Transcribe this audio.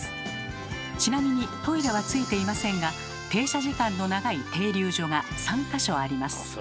ちなみにトイレは付いていませんが停車時間の長い停留所が３か所あります。